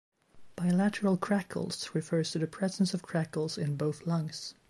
Bilateral crackles refers to the presence of crackles in both lungs.